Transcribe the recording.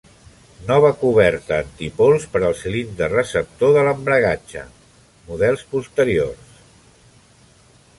Nova coberta antipols per al cilindre receptor de l'embragatge, models posteriors.